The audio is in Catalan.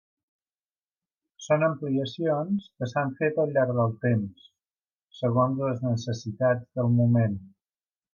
Són ampliacions que s’han fet al llarg del temps, segons les necessitats del moment.